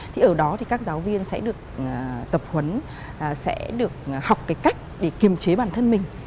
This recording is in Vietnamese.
thì ở đó thì các giáo viên sẽ được tập huấn sẽ được học cái cách để kiềm chế bản thân mình